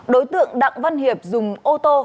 đối tượng đặng văn hiệp dùng ô tô